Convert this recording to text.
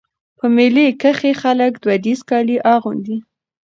په مېله کښي خلک دودیز کالي اغوندي.